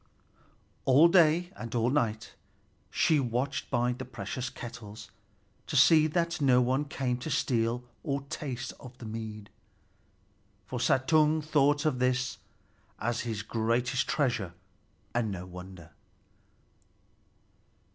All day and all night she watched by the precious kettles, to see that no one came to steal or taste of the mead; for Suttung thought of it as his greatest treasure, and no wonder.